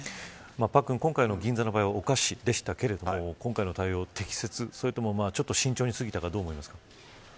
パックン、今回の銀座の場合はお菓子でしたけど今回の対応は適切、それとも慎重過ぎたかと思いますか。